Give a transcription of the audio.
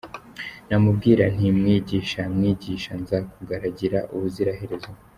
Namubwira nti ,mwigisha, mwigisha nzakugaragira ubuziraherezo.